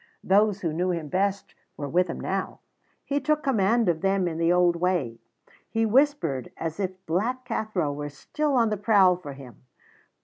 Those who knew him best were with him now. He took command of them in the old way. He whispered, as if Black Cathro were still on the prowl for him.